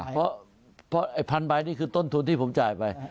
เพราะไอ้พันใบนี่คือต้นทุนที่ผมจ่ายไป